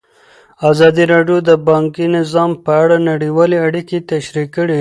ازادي راډیو د بانکي نظام په اړه نړیوالې اړیکې تشریح کړي.